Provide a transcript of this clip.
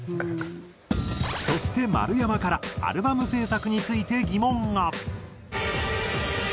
そして丸山からアルバム制作について疑問が。